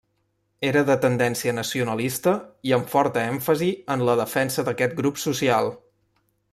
Era de tendència nacionalista i amb forta èmfasi en la defensa d'aquest grup social.